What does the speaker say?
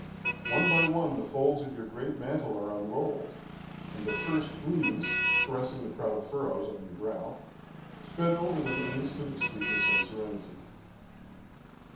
One by one the folds of your great mantle are unrolled, and the first gleams, caressing the proud furrows [on your brow], spread over them an instant of sweetness and serenity.